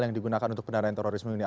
yang digunakan untuk pendanaan terorisme ini